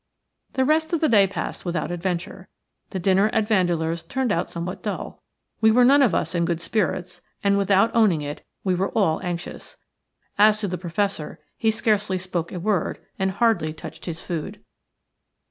The rest of the day passed without adventure. The dinner at Vandeleur's turned out somewhat dull. We were none of us in good spirits, and, without owning it, we were all anxious. As to the Professor, he scarcely spoke a word and hardly touched his food.